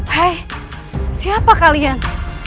hei siapa kalian